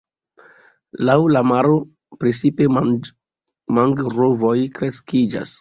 Laŭ la maro precipe mangrovoj kreskiĝas.